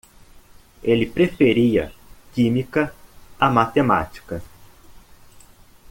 Ele preferia química a matemática